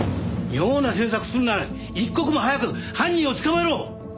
妙な詮索するなら一刻も早く犯人を捕まえろ！